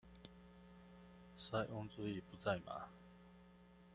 塞翁之意不在馬